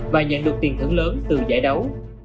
và nhận được tiền thưởng lớn từ giải đấu